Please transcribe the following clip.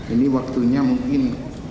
ini waktunya mungkin